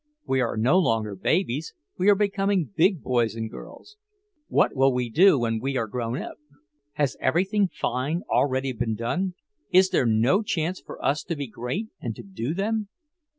We are no longer babies, we are becoming big boys and girls. What will we do when we are grown up? Has everything fine already been done? Is there no chance for us to be great and to do them?"